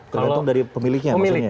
tergantung dari pemiliknya maksudnya